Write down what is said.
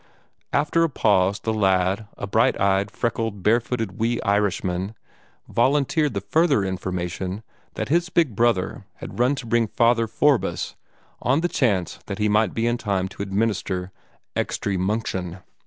After a pause the lad, a bright eyed, freckled, barefooted wee Irishman, volunteered the further information that his big brother had run to bring "Father Forbess," on the chance that he might be in time to administer "extry munction."